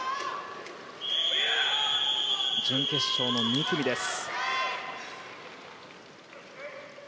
準決勝の２組です。